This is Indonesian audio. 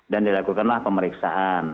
dan dilakukanlah pemeriksaan